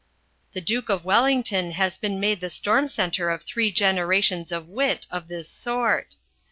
The Duke of Wellington has been made the storm centre of three generations of wit of this sort.